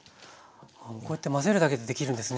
こうやって混ぜるだけでできるんですね